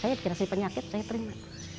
saya di kerasi penyakit saya terima